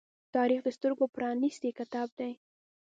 تاریخ د سترگو پرانیستی کتاب دی.